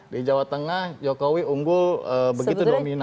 di jawa tengah jokowi unggul begitu dominan